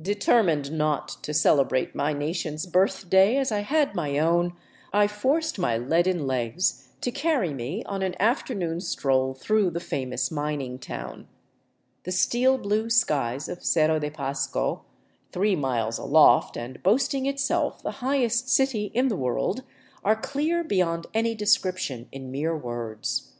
Determined not to celebrate my nation's birthday as I had my own, I forced my leaden legs to carry me on an afternoon stroll through the famous mining town. The steel blue skies of Cerro de Pasco, three miles aloft and boasting itself the highest city in the world, are clear beyond any description in mere words.